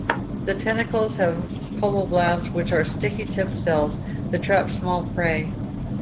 The tentacles have colloblasts, which are sticky-tipped cells that trap small prey.